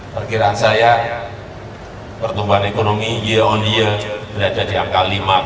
perkiraan saya pertumbuhan ekonomi year on year berada di angka lima puluh